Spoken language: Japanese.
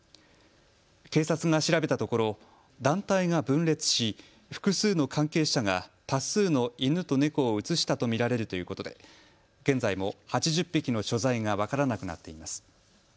警察が調べたところ団体が分裂し複数の関係者が多数の犬と猫を移したと見られるということで現在も８０匹の所在が分からなくなっています。